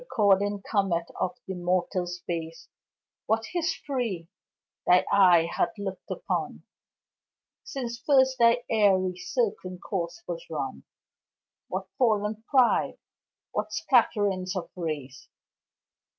Recording comet of th' immortal space, What history thy eye hath look'd upon Since first thy airy, circling course was run! What fallen pride! What scatterings of race!